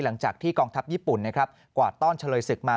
หลังจากที่กองทัพญี่ปุ่นนะครับกวาดต้อนเฉลยศึกมา